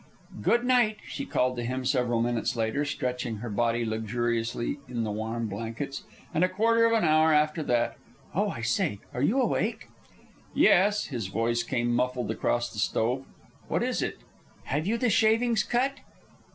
"Good night," she called to him several minutes later, stretching her body luxuriously in the warm blankets. And a quarter of an hour after that, "Oh, I say! Are you awake?" "Yes," his voice came muffled across the stove. "What is it?" "Have you the shavings cut?"